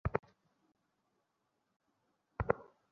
তাকে মেরে ফেলছে।